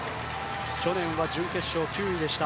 去年は準決勝９位でした。